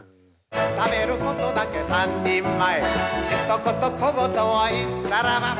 「食べることだけ三人前」「ひとこと小言を言ったらば」